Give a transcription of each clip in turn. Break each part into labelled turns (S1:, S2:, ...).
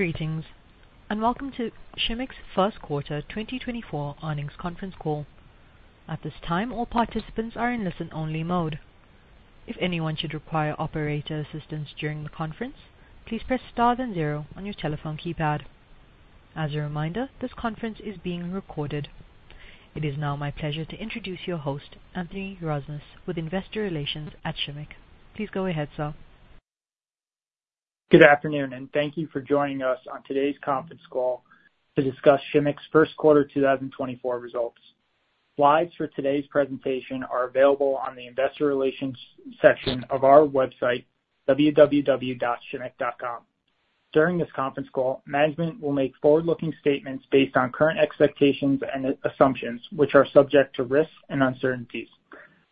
S1: Greetings, and welcome to Shimmick's First Quarter 2024 Earnings Conference Call. At this time, all participants are in listen-only mode. If anyone should require operator assistance during the conference, please press star then zero on your telephone keypad. As a reminder, this conference is being recorded. It is now my pleasure to introduce your host, Anthony Rasmus with Investor Relations at Shimmick. Please go ahead, sir.
S2: Good afternoon, and thank you for joining us on today's conference call to discuss Shimmick's first quarter 2024 results. Slides for today's presentation are available on the Investor Relations section of our website, www.shimmick.com. During this conference call, management will make forward-looking statements based on current expectations and assumptions, which are subject to risks and uncertainties.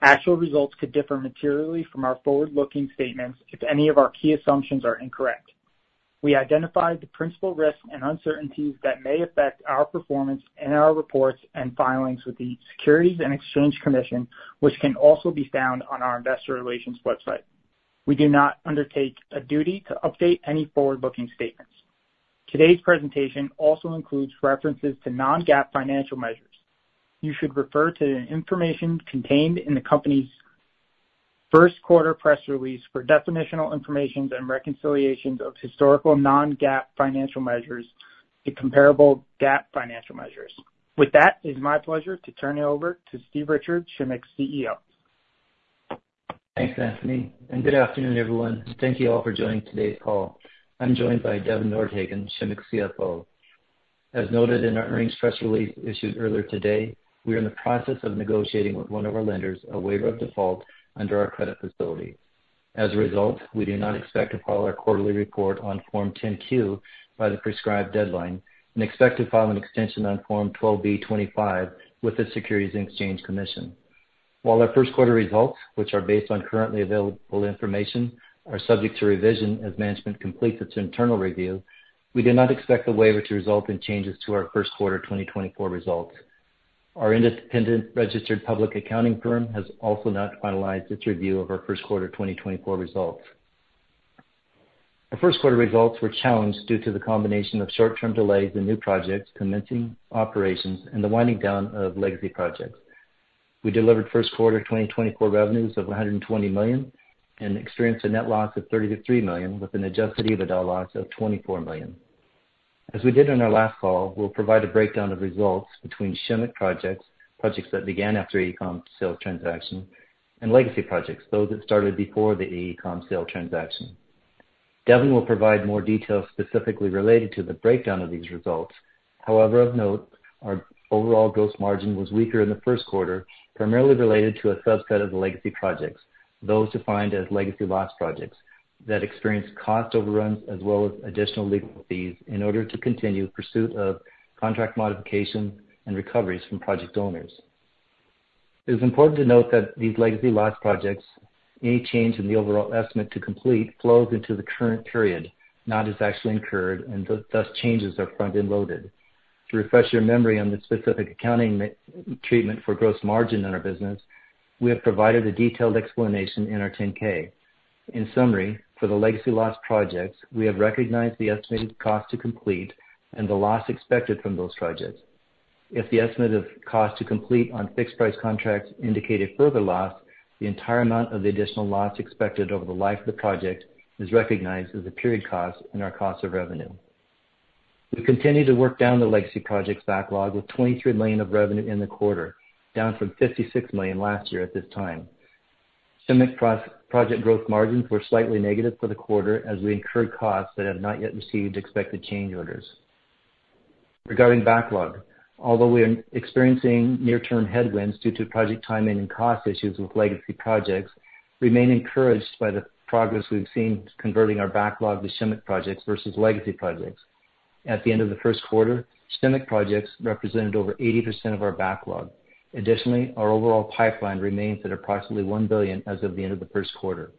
S2: Actual results could differ materially from our forward-looking statements if any of our key assumptions are incorrect. We identify the principal risks and uncertainties that may affect our performance in our reports and filings with the Securities and Exchange Commission, which can also be found on our Investor Relations website. We do not undertake a duty to update any forward-looking statements. Today's presentation also includes references to non-GAAP financial measures. You should refer to the information contained in the company's first quarter press release for definitional information and reconciliations of historical non-GAAP financial measures to comparable GAAP financial measures. With that, it is my pleasure to turn it over to Steve Richards, Shimmick's CEO.
S3: Thanks, Anthony, and good afternoon, everyone. Thank you all for joining today's call. I'm joined by Devin Nordhagen, Shimmick's CFO. As noted in our earnings press release issued earlier today, we are in the process of negotiating with one of our lenders a waiver of default under our credit facility. As a result, we do not expect to file our quarterly report on Form 10-Q by the prescribed deadline and expect to file an extension on Form 12b-25 with the Securities and Exchange Commission. While our first quarter results, which are based on currently available information, are subject to revision as management completes its internal review, we do not expect the waiver to result in changes to our first quarter 2024 results. Our independent registered public accounting firm has also not finalized its review of our first quarter 2024 results. Our first quarter results were challenged due to the combination of short-term delays in new projects commencing operations and the winding down of Legacy projects. We delivered first quarter 2024 revenues of $120 million and experienced a net loss of $33 million with an adjusted EBITDA loss of $24 million. As we did on our last call, we'll provide a breakdown of results Shimmick projects, projects that began after the AECOM sale transaction, and Legacy projects, those that started before the AECOM sale transaction. Devin will provide more details specifically related to the breakdown of these results. However, of note, our overall gross margin was weaker in the first quarter, primarily related to a subset of Legacy projects, those defined as legacy loss projects, that experienced cost overruns as well as additional legal fees in order to continue pursuit of contract modifications and recoveries from project owners. It is important to note that these legacy loss projects, any change in the overall estimate to complete flows into the current period, not as actually incurred, and thus changes are front-end loaded. To refresh your memory on the specific accounting treatment for gross margin in our business, we have provided a detailed explanation in our 10-K. In summary, for the legacy loss projects, we have recognized the estimated cost to complete and the loss expected from those projects. If the estimated cost to complete on fixed-price contracts indicated further loss, the entire amount of the additional loss expected over the life of the project is recognized as a period cost in our cost of revenue. We continue to work down the Legacy projects' backlog with $23 million of revenue in the quarter, down from $56 million last year at this time. Shimmick project gross margins were slightly negative for the quarter as we incurred costs that have not yet received expected change orders. Regarding backlog, although we are experiencing near-term headwinds due to project timing and cost issues with Legacy projects, remain encouraged by the progress we've seen converting our backlog to Shimmick projects versus Legacy projects. At the end of the first quarter, Shimmick projects represented over 80% of our backlog. Additionally, our overall pipeline remains at approximately $1 billion as of the end of the first quarter.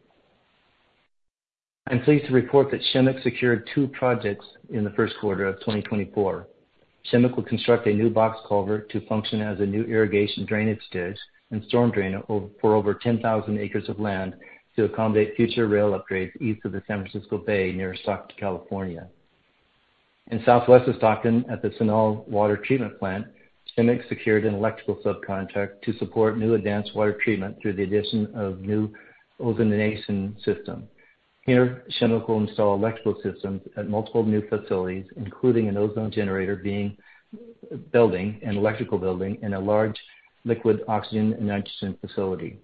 S3: I'm pleased to report that Shimmick secured two projects in the first quarter of 2024. Shimmick will construct a new box culvert to function as a new irrigation drainage ditch and storm drain for over 10,000 acres of land to accommodate future rail upgrades east of the San Francisco Bay near Stockton, California. In southwest of Stockton, at the Sunol Water Treatment Plant, Shimmick secured an electrical subcontract to support new advanced water treatment through the addition of new ozonation system. Here, Shimmick will install electrical systems at multiple new facilities, including an ozone generator building, an electrical building, and a large liquid oxygen and nitrogen facility.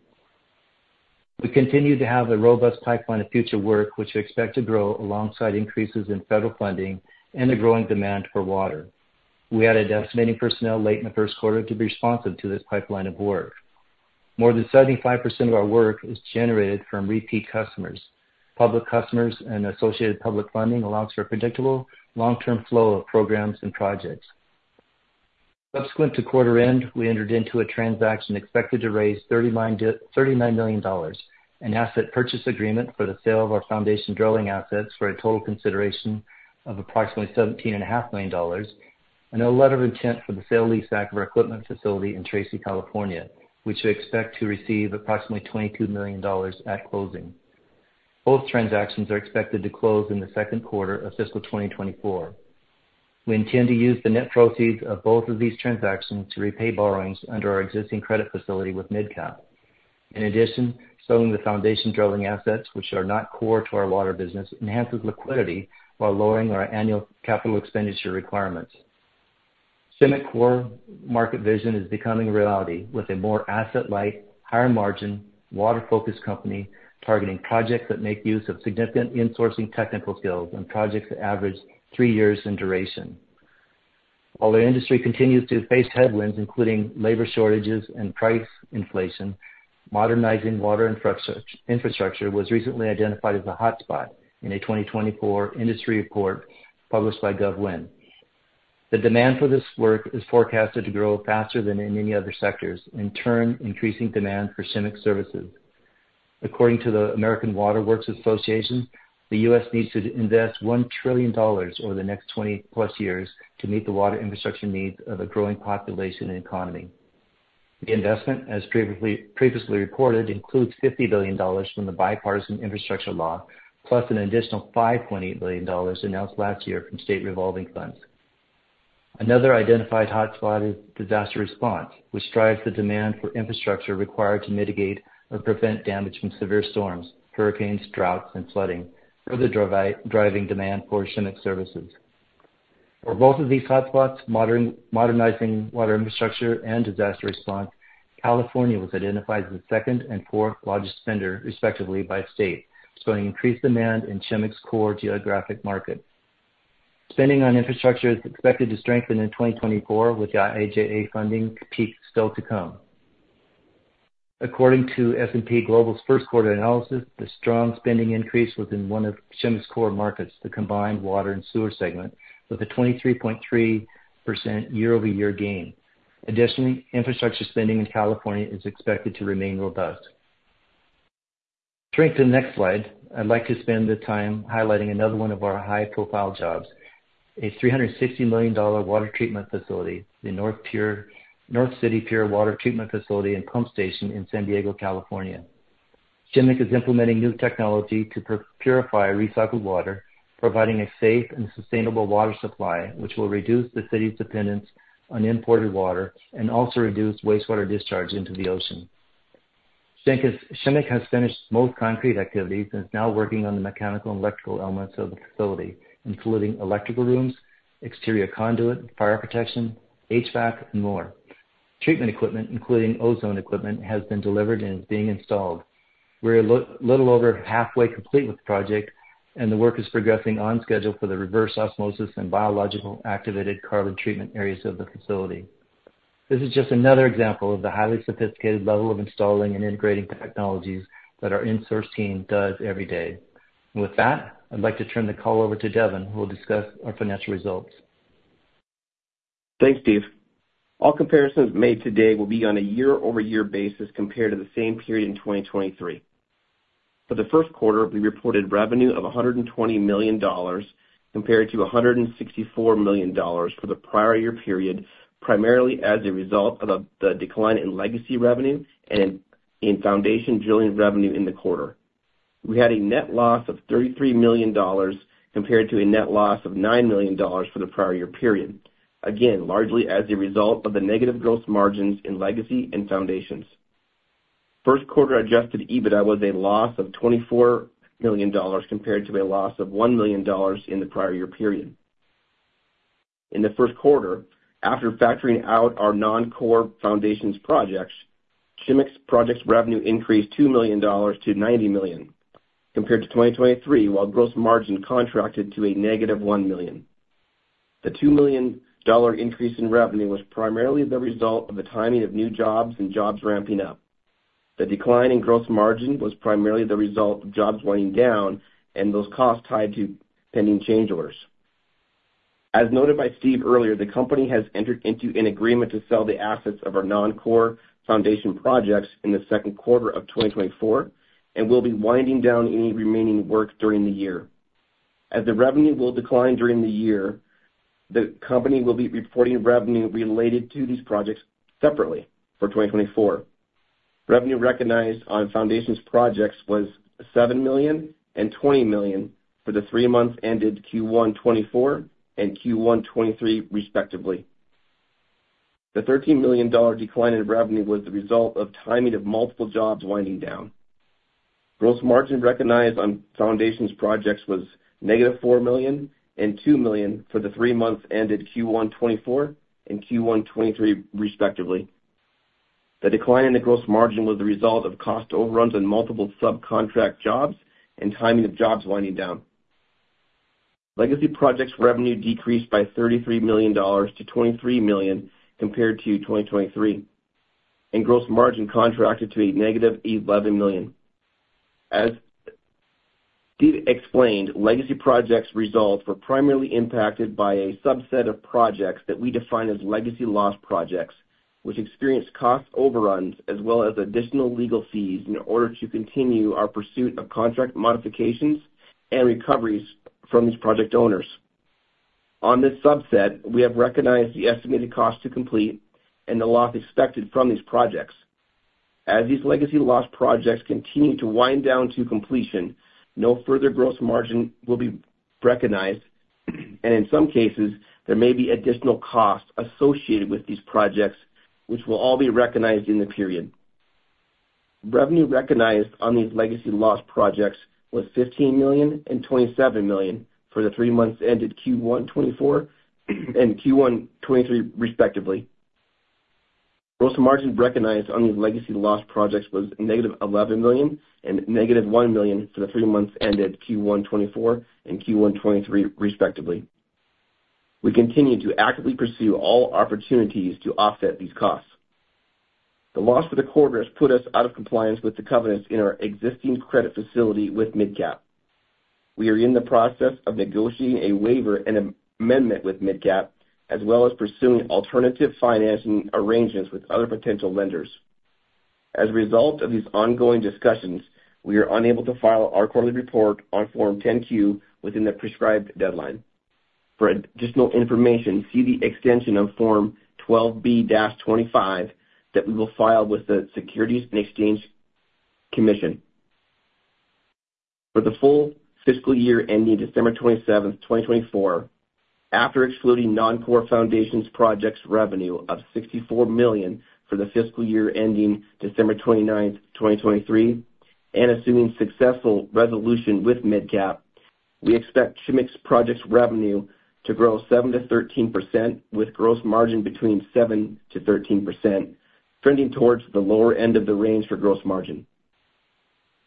S3: We continue to have a robust pipeline of future work which we expect to grow alongside increases in federal funding and a growing demand for water. We added estimating personnel late in the first quarter to be responsive to this pipeline of work. More than 75% of our work is generated from repeat customers. Public customers and associated public funding allows for a predictable long-term flow of programs and projects. Subsequent to quarter end, we entered into a transaction expected to raise $39 million, an Asset Purchase Agreement for the sale of our foundation drilling assets for a total consideration of approximately $17.5 million, and a letter of intent for the sale-leaseback of our equipment facility in Tracy, California, which we expect to receive approximately $22 million at closing. Both transactions are expected to close in the second quarter of fiscal 2024. We intend to use the net proceeds of both of these transactions to repay borrowings under our existing credit facility with MidCap. In addition, selling the foundation drilling assets, which are not core to our water business, enhances liquidity while lowering our annual capital expenditure requirements. Shimmick's core market vision is becoming a reality with a more asset-light, higher-margin, water-focused company targeting projects that make use of significant insourcing technical skills and projects that average three years in duration. While our industry continues to face headwinds, including labor shortages and price inflation, modernizing water infrastructure was recently identified as a hotspot in a 2024 industry report published by GovWin. The demand for this work is forecasted to grow faster than in any other sectors, in turn increasing demand for Shimmick services. According to the American Water Works Association, the U.S. needs to invest $1 trillion over the next 20+ years to meet the water infrastructure needs of a growing population and economy. The investment, as previously reported, includes $50 billion from the Bipartisan Infrastructure Law, plus an additional $5.8 billion announced last year from State Revolving Funds. Another identified hotspot is disaster response, which drives the demand for infrastructure required to mitigate or prevent damage from severe storms, hurricanes, droughts, and flooding, further driving demand for Shimmick services. For both of these hotspots, modernizing water infrastructure and disaster response, California was identified as the second and fourth largest spender, respectively, by state, showing increased demand in Shimmick's core geographic market. Spending on infrastructure is expected to strengthen in 2024 with the IIJA funding peak still to come. According to S&P Global's first quarter analysis, the strong spending increase was in one of Shimmick's core markets, the combined water and sewer segment, with a 23.3% year-over-year gain. Additionally, infrastructure spending in California is expected to remain robust. To make the next slide, I'd like to spend the time highlighting another one of our high-profile jobs: a $360 million water treatment facility, the North City Pure Water Treatment Facility and Pump Station in San Diego, California. Shimmick is implementing new technology to purify recycled water, providing a safe and sustainable water supply which will reduce the city's dependence on imported water and also reduce wastewater discharge into the ocean. Shimmick has finished most concrete activities and is now working on the mechanical and electrical elements of the facility, including electrical rooms, exterior conduit, fire protection, HVAC, and more. Treatment equipment, including ozone equipment, has been delivered and is being installed. We're a little over halfway complete with the project, and the work is progressing on schedule for the reverse osmosis and biological activated carbon treatment areas of the facility. This is just another example of the highly sophisticated level of installing and integrating technologies that our insource team does every day. With that, I'd like to turn the call over to Devin, who will discuss our financial results.
S4: Thanks, Steve. All comparisons made today will be on a year-over-year basis compared to the same period in 2023. For the first quarter, we reported revenue of $120 million compared to $164 million for the prior year period, primarily as a result of the decline in legacy revenue and in foundation drilling revenue in the quarter. We had a net loss of $33 million compared to a net loss of $9 million for the prior year period, again, largely as a result of the negative gross margins in legacy and foundations. First quarter adjusted EBITDA was a loss of $24 million compared to a loss of $1 million in the prior year period. In the first quarter, after factoring out our non-core foundations projects, Shimmick's projects revenue increased $2 million to $90 million compared to 2023, while gross margin contracted to a -$1 million. The $2 million increase in revenue was primarily the result of the timing of new jobs and jobs ramping up. The decline in gross margin was primarily the result of jobs winding down and those costs tied to pending change orders. As noted by Steve earlier, the company has entered into an agreement to sell the assets of our non-core foundation projects in the second quarter of 2024 and will be winding down any remaining work during the year. As the revenue will decline during the year, the company will be reporting revenue related to these projects separately for 2024. Revenue recognized on foundation projects was $7 million and $20 million for the three months ended Q1 2024 and Q1 2023, respectively. The $13 million decline in revenue was the result of timing of multiple jobs winding down. Gross margin recognized on foundations projects was -$4 million and $2 million for the three months ended Q1 2024 and Q1 2023, respectively. The decline in the gross margin was the result of cost overruns on multiple subcontract jobs and timing of jobs winding down. Legacy projects revenue decreased by $33 million to $23 million compared to 2023, and gross margin contracted to a -$11 million. As Steve explained, Legacy projects' results were primarily impacted by a subset of projects that we define as legacy loss projects, which experienced cost overruns as well as additional legal fees in order to continue our pursuit of contract modifications and recoveries from these project owners. On this subset, we have recognized the estimated cost to complete and the loss expected from these projects. As these legacy loss projects continue to wind down to completion, no further gross margin will be recognized, and in some cases, there may be additional costs associated with these projects, which will all be recognized in the period. Revenue recognized on these legacy loss projects was $15 million and $27 million for the three months ended Q1 2024 and Q1 2023, respectively. Gross margin recognized on these legacy loss projects was -$11 million and -$1 million for the three months ended Q1 2024 and Q1 2023, respectively. We continue to actively pursue all opportunities to offset these costs. The loss for the quarter has put us out of compliance with the covenants in our existing credit facility with MidCap. We are in the process of negotiating a waiver and amendment with MidCap, as well as pursuing alternative financing arrangements with other potential lenders. As a result of these ongoing discussions, we are unable to file our quarterly report on Form 10-Q within the prescribed deadline. For additional information, see the extension of Form 12b-25 that we will file with the Securities and Exchange Commission. For the full fiscal year ending December 27th, 2024, after excluding non-core foundations projects revenue of $64 million for the fiscal year ending December 29th, 2023, and assuming successful resolution with MidCap, we expect Shimmick's projects revenue to grow 7%-13% with gross margin between 7%-13%, trending towards the lower end of the range for gross margin.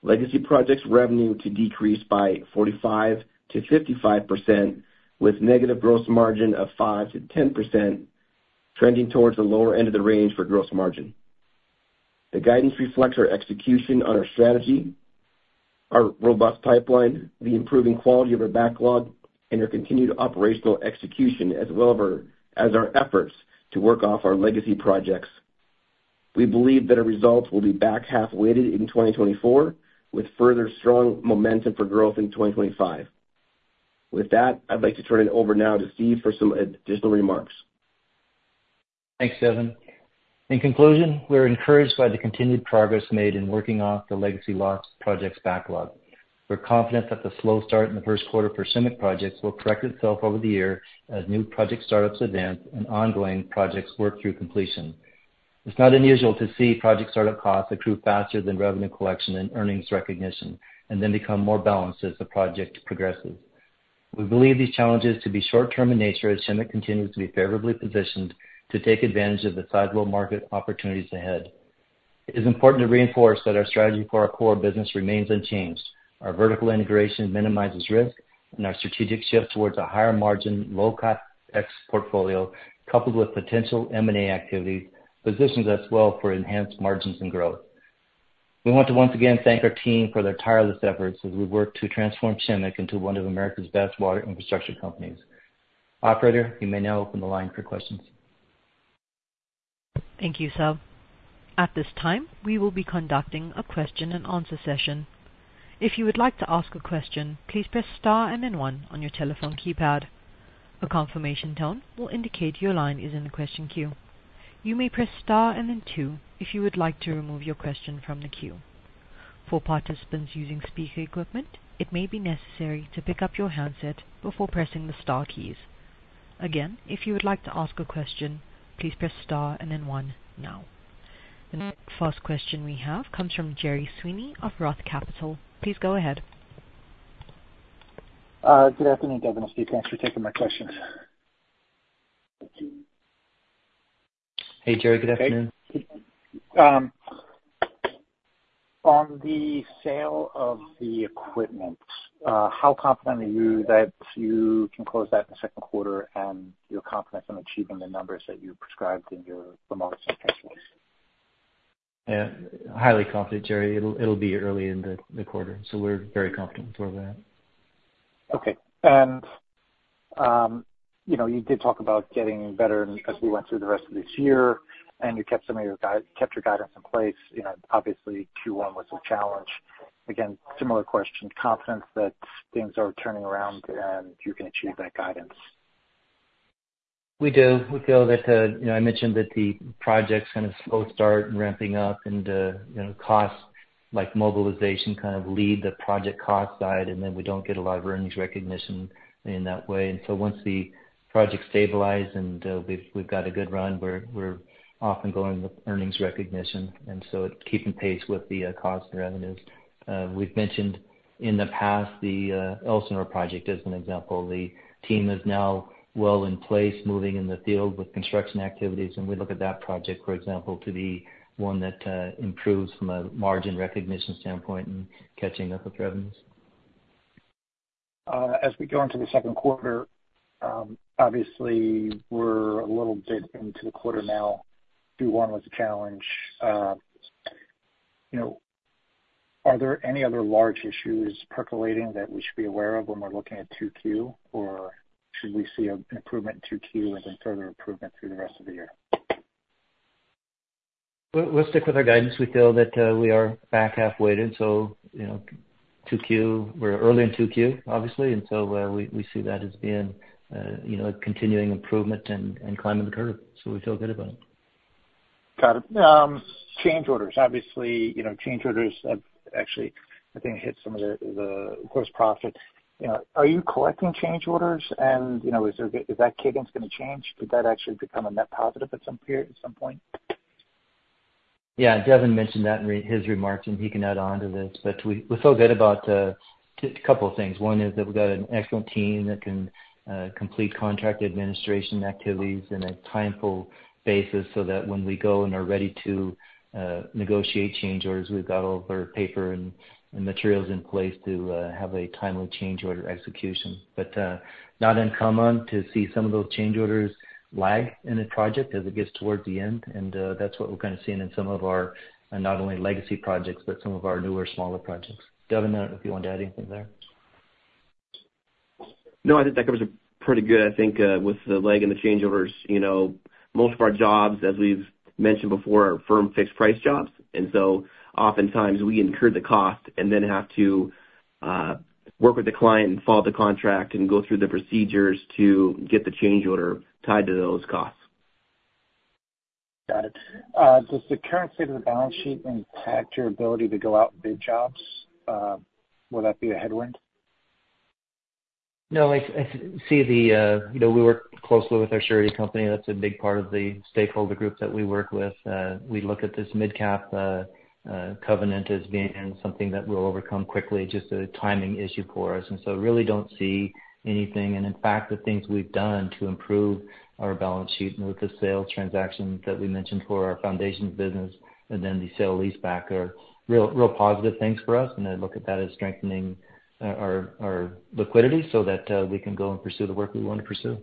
S4: Legacy projects revenue to decrease by 45%-55% with negative gross margin of 5%-10%, trending towards the lower end of the range for gross margin. The guidance reflects our execution on our strategy, our robust pipeline, the improving quality of our backlog, and our continued operational execution, as well as our efforts to work off our Legacy projects. We believe that our results will be back half-weighted in 2024 with further strong momentum for growth in 2025. With that, I'd like to turn it over now to Steve for some additional remarks.
S3: Thanks, Devin. In conclusion, we're encouraged by the continued progress made in working off the legacy loss projects backlog. We're confident that the slow start in the first quarter for Shimmick projects will correct itself over the year as new project startups advance and ongoing projects work through completion. It's not unusual to see project startup costs accrue faster than revenue collection and earnings recognition, and then become more balanced as the project progresses. We believe these challenges to be short-term in nature as Shimmick continues to be favorably positioned to take advantage of the sizable market opportunities ahead. It is important to reinforce that our strategy for our core business remains unchanged. Our vertical integration minimizes risk, and our strategic shift towards a higher-margin, low-cost export portfolio, coupled with potential M&A activities, positions us well for enhanced margins and growth. We want to once again thank our team for their tireless efforts as we work to transform Shimmick into one of America's best water infrastructure companies. Operator, you may now open the line for questions.
S1: Thank you, Sir. At this time, we will be conducting a question-and-answer session. If you would like to ask a question, please press star and then one on your telephone keypad. A confirmation tone will indicate your line is in the question queue. You may press star and then two if you would like to remove your question from the queue. For participants using speaker equipment, it may be necessary to pick up your handset before pressing the star keys. Again, if you would like to ask a question, please press star and then one now. The first question we have comes from Gerry Sweeney of ROTH Capital. Please go ahead.
S5: Good afternoon, Devin and Steve. Thanks for taking my questions.
S3: Hey, Gerry. Good afternoon.
S5: Hey. On the sale of the equipment, how confident are you that you can close that in the second quarter and you're confident in achieving the numbers that you prescribed in your remarks and takeaways?
S3: Highly confident, Gerry. It'll be early in the quarter, so we're very confident before that.
S5: Okay. And you did talk about getting better as we went through the rest of this year, and you kept some of your guidance in place. Obviously, Q1 was a challenge. Again, similar question: confidence that things are turning around and you can achieve that guidance?
S3: We do. We feel that I mentioned that the projects kind of slow start and ramping up, and costs like mobilization kind of lead the project cost side, and then we don't get a lot of earnings recognition in that way. And so once the projects stabilize and we've got a good run, we're off and going with earnings recognition and so keeping pace with the costs and revenues. We've mentioned in the past the Elsinore project as an example. The team is now well in place, moving in the field with construction activities. And we look at that project, for example, to be one that improves from a margin recognition standpoint and catching up with revenues.
S5: As we go into the second quarter, obviously, we're a little bit into the quarter now. Q1 was a challenge. Are there any other large issues percolating that we should be aware of when we're looking at 2Q, or should we see an improvement in 2Q and then further improvement through the rest of the year?
S3: Let's stick with our guidance. We feel that we are back half-weighted, so 2Q. We're early in 2Q, obviously. So we see that as being a continuing improvement and climbing the curve, so we feel good about it.
S5: Got it. Change orders. Obviously, change orders have actually, I think, hit some of the gross profit. Are you collecting change orders, and is that cadence going to change? Could that actually become a net positive at some point?
S3: Yeah. Devin mentioned that in his remarks, and he can add on to this, but we feel good about a couple of things. One is that we've got an excellent team that can complete contract administration activities on a timely basis so that when we go and are ready to negotiate change orders, we've got all of our paper and materials in place to have a timely change order execution. But not uncommon to see some of those change orders lag in a project as it gets towards the end. And that's what we're kind of seeing in some of our not only Legacy projects but some of our newer, smaller projects. Devin, if you wanted to add anything there.
S4: No, I think that covers it pretty good. I think with the lag in the change orders, most of our jobs, as we've mentioned before, are firm-fixed price jobs. And so oftentimes we incur the cost and then have to work with the client and follow the contract and go through the procedures to get the change order tied to those costs.
S5: Got it. Does the current state of the balance sheet impact your ability to go out and bid jobs? Will that be a headwind?
S3: No. See, we work closely with our surety company. That's a big part of the stakeholder group that we work with. We look at this MidCap covenant as being something that we'll overcome quickly, just a timing issue for us, and so really don't see anything. And in fact, the things we've done to improve our balance sheet with the sales transaction that we mentioned for our foundations business and then the sale-leaseback are real positive things for us. And I look at that as strengthening our liquidity so that we can go and pursue the work we want to pursue.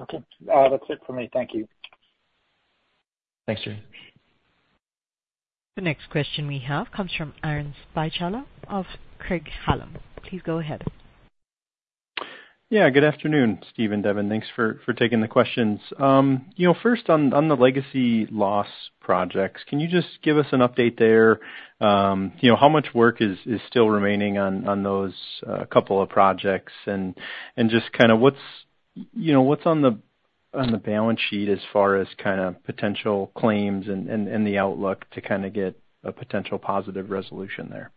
S5: Okay. That's it from me. Thank you.
S3: Thanks, Gerry.
S1: The next question we have comes from Aaron Spychalla of Craig-Hallum. Please go ahead.
S6: Yeah. Good afternoon, Steve and Devin. Thanks for taking the questions. First, on the legacy loss projects, can you just give us an update there? How much work is still remaining on those couple of projects, and just kind of what's on the balance sheet as far as kind of potential claims and the outlook to kind of get a potential positive resolution there?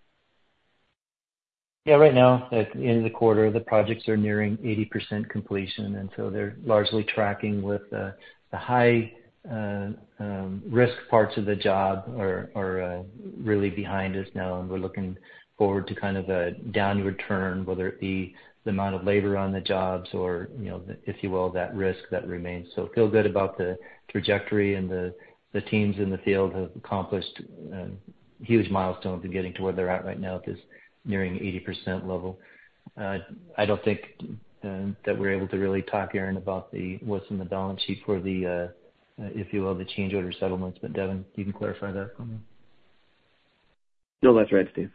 S3: Yeah. Right now, at the end of the quarter, the projects are nearing 80% completion. So they're largely tracking with the high-risk parts of the job are really behind us now. And we're looking forward to kind of a downward turn, whether it be the amount of labor on the jobs or, if you will, that risk that remains. So feel good about the trajectory, and the teams in the field have accomplished huge milestones in getting to where they're at right now at this nearing 80% level. I don't think that we're able to really talk, Aaron, about what's in the balance sheet for the, if you will, the change order settlements. But Devin, you can clarify that for me.
S4: No, that's right, Steve.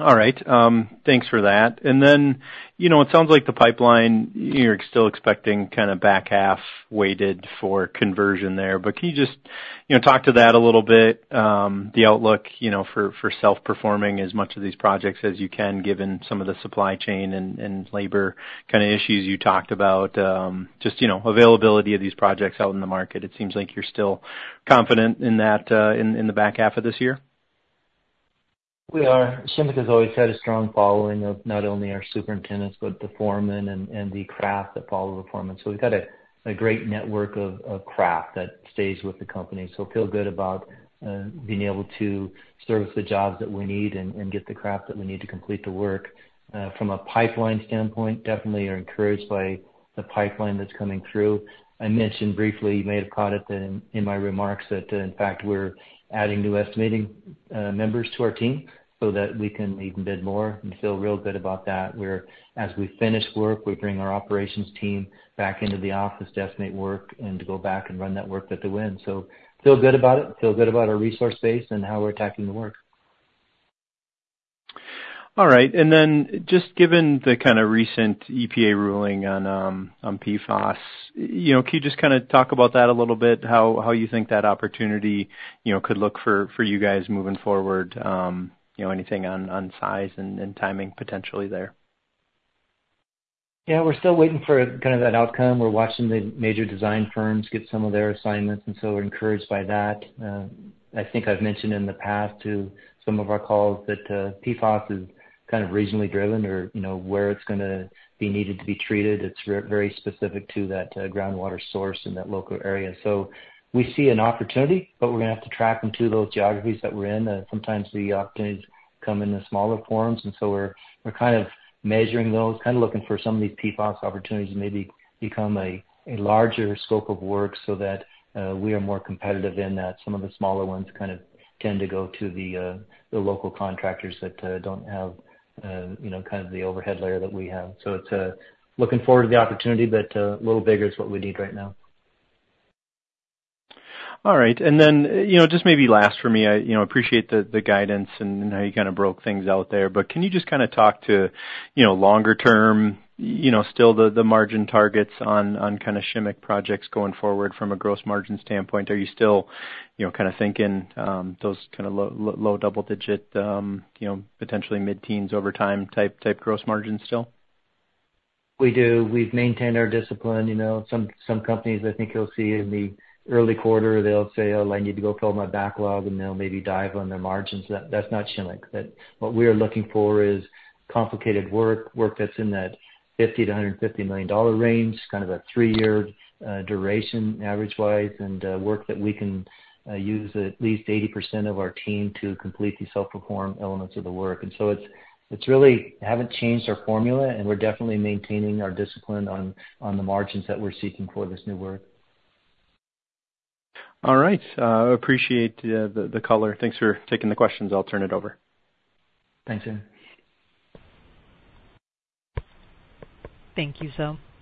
S4: Yes.
S6: All right. Thanks for that. And then it sounds like the pipeline, you're still expecting kind of back half-weighted for conversion there. But can you just talk to that a little bit, the outlook for self-performing as much of these projects as you can, given some of the supply chain and labor kind of issues you talked about. Just availability of these projects out in the market? It seems like you're still confident in that in the back half of this year.
S3: We are. Shimmick has always had a strong following of not only our superintendents but the foreman and the craft that follow the foreman. So we've got a great network of craft that stays with the company, so feel good about being able to service the jobs that we need and get the craft that we need to complete the work. From a pipeline standpoint, definitely are encouraged by the pipeline that's coming through. I mentioned briefly - you may have caught it in my remarks - that, in fact, we're adding new estimating members to our team so that we can even bid more and feel real good about that where, as we finish work, we bring our operations team back into the office to estimate work and to go back and run that work at the end. So feel good about it. Feel good about our resource base and how we're tackling the work.
S6: All right. And then just given the kind of recent EPA ruling on PFAS, can you just kind of talk about that a little bit how you think that opportunity could look for you guys moving forward? Anything on size and timing potentially there?
S3: Yeah. We're still waiting for kind of that outcome. We're watching the major design firms get some of their assignments, and so we're encouraged by that. I think I've mentioned in the past to some of our calls that PFAS is kind of regionally driven or where it's going to be needed to be treated. It's very specific to that groundwater source in that local area. So we see an opportunity, but we're going to have to track them to those geographies that we're in. Sometimes the opportunities come in the smaller forms, and so we're kind of measuring those. Kind of looking for some of these PFAS opportunities to maybe become a larger scope of work so that we are more competitive in that some of the smaller ones kind of tend to go to the local contractors that don't have kind of the overhead layer that we have. So it's looking forward to the opportunity, but a little bigger is what we need right now.
S6: All right. And then just maybe last for me, I appreciate the guidance and how you kind of broke things out there, but can you just kind of talk to longer-term, still the margin targets on kind of Shimmick Projects going forward from a gross margin standpoint? Are you still kind of thinking those kind of low double-digit, potentially mid-teens over time type gross margins still?
S3: We do. We've maintained our discipline. Some companies, I think you'll see in the early quarter, they'll say, "Oh, I need to go fill my backlog," and they'll maybe dive on their margins. That's not Shimmick. What we are looking for is complicated work. Work that's in that $50 million-$150 million range, kind of a three-year duration average-wise. And work that we can use at least 80% of our team to complete these self-perform elements of the work. And so it's really haven't changed our formula, and we're definitely maintaining our discipline on the margins that we're seeking for this new work.
S6: All right. Appreciate the color. Thanks for taking the questions. I'll turn it over.
S3: Thanks, Aaron.
S1: Thank you, Sir.